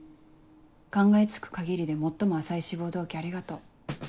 考えつく限りで最も浅い志望動機ありがとう。